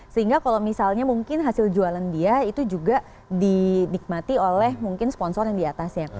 sehingga kalau misalnya mungkin hasil jualan dia itu juga dinikmati oleh mungkin sponsor yang diatasnya